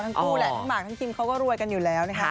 ทั้งคู่แหละทั้งหมากทั้งคิมเขาก็รวยกันอยู่แล้วนะคะ